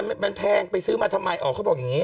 มันแพงไปซื้อมาทำไมออกเขาบอกอย่างนี้